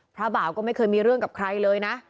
บ่าวก็ไม่เคยมีเรื่องกับใครเลยนะ